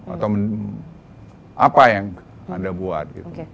atau apa yang anda buat